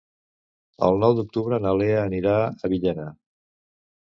El nou d'octubre na Lea anirà a Villena.